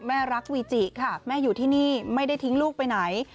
แม่รักวีจิค่ะแม่อยู่ที่นี่ไม่ได้ทิ้งลูกไปไหน